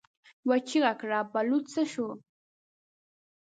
يوه چيغه کړه: بلوڅ څه شو؟